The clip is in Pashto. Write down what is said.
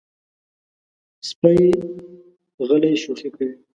سپي غلی شوخي کوي.